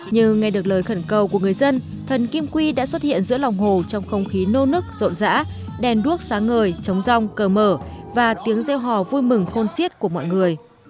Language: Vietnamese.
như ngay được lời khẩn cầu của người dân thần kim quy đã xuất hiện giữa lòng hồ trong không khí nô nức rộn rã đèn đuaác sáng ngời chống rong cờ mở và tiếng gieo hò vui mừng khôn siết của mọi người